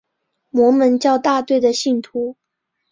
摩门教大队的信徒。